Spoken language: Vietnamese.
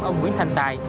ông nguyễn thành tài